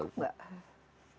itu cukup mbak